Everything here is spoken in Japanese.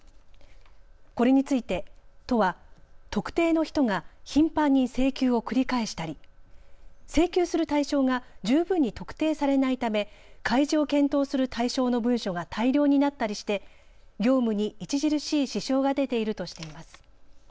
これについて都は特定の人が頻繁に請求を繰り返したり請求する対象が十分に特定されないため開示を検討する対象の文書が大量になったりして業務に著しい支障が出ているとしています。